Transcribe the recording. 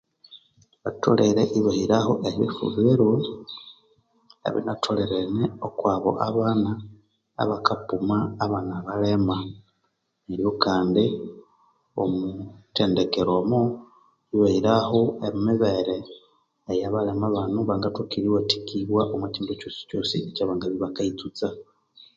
Batholere ibahiraho ebifuviro, ibinatholerene okwa abo abana abakapuma abana abalema, neryo kandi omu thendekera omo ibahiraho emibere eya abalema bano bangathoka eriwathikibwa omwa kyindu kyosi kyosi ekyabangabya ibakayitsutsa.